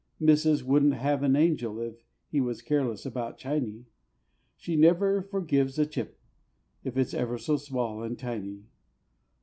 Missis wouldn't have an angel, if he was careless about Chiney; She never forgives a chip, if it's ever so small and tiny.